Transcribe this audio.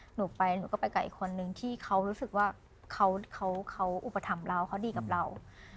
หนูไปหนูก็ไปกับอีกคนนึงที่เขารู้สึกว่าเขาอุปถัมภ์เราเขาดีกับเรา